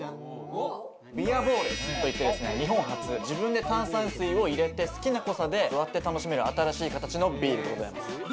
ビアボールといって日本初自分で炭酸水を入れて好きな濃さで割って楽しめる新しい形のビールでございます